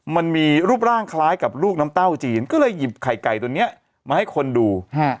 มันมีรูปร่างคล้ายกับลูกน้ำเต้าจีนก็เลยหยิบไข่ไก่ตัวนี้มาให้คนดู